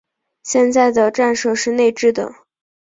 现在的站舍是内置的。